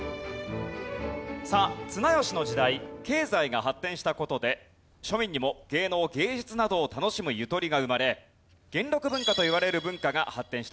さあ綱吉の時代経済が発展した事で庶民にも芸能・芸術などを楽しむゆとりが生まれ元禄文化といわれる文化が発展したんですね。